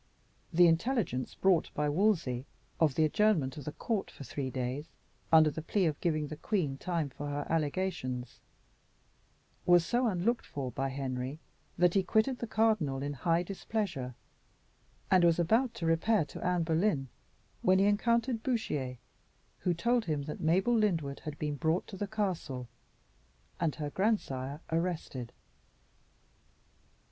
The intelligence brought by Wolsey of the adjournment of the court for three days, under the plea of giving the queen time for her allegations, was so unlooked for by Henry that he quitted the cardinal in high displeasure, and was about to repair to Anne Boleyn, when he encountered Bouchier, who told him that Mabel Lyndwood had been brought to the castle, and her grandsire arrested.